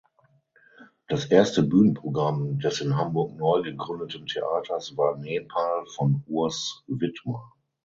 Das erste Bühnenprogramm des in Hamburg neu gegründeten Theaters war "Nepal" von Urs Widmer.